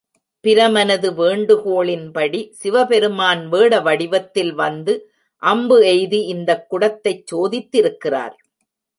பிரமனது வேண்டுகோளின்படி, சிவபெருமான் வேட வடிவத்தில் வந்து அம்பு எய்து இந்தக் குடத்தைச் சோதித்திருக்கிறார்.